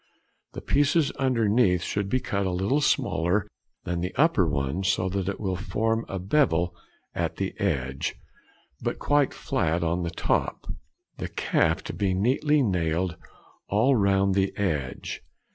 The pieces underneath should be cut a little smaller than the upper one, so that it will form a bevel at the edge, but quite flat on the top. The calf to be neatly nailed all round the edge.